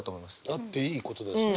あっていいことだしね。